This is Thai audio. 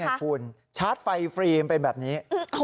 นี่แหละคุณชาร์จไฟฟรีเป็นแบบนี้